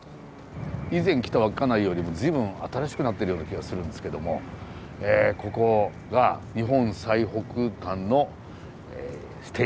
以前来た稚内よりも随分新しくなってるような気がするんですけどもここが日本最北端のステーション駅でございますね。